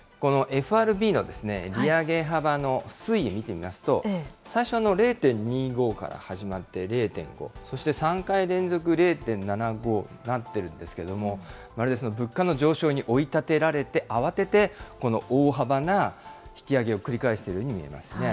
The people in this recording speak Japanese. このＦＲＢの利上げ幅の推移、見てみますと、最初、０．２５から始まって０．５、そして３回連続０．７５になってるんですけれども、まるで物価の上昇に追い立てられて、慌てて、この大幅な引き上げを繰り返しているように見えますね。